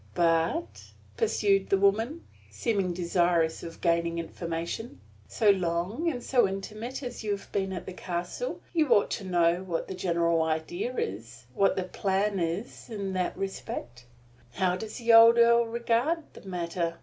"But," pursued the woman, seeming desirous of gaining information, "so long and so intimate, as you have been at the castle, you ought to know what the general idea is, what the plan is in that respect. How does the old earl regard the matter?